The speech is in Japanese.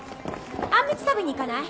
あんみつ食べに行かない？